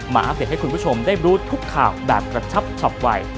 อัปเดตให้คุณผู้ชมได้รู้ทุกข่าวแบบกระชับฉับไว